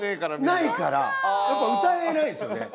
ないからやっぱ歌えないんですよね。